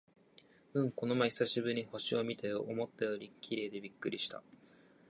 うん、この前久しぶりに星を見たよ。思ったより綺麗でびっくりした！